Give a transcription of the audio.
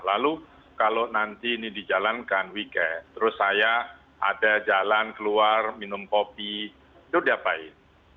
lalu kalau nanti ini dijalankan weekend terus saya ada jalan keluar minum kopi itu diapain